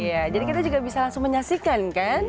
iya jadi kita juga bisa langsung menyaksikan kan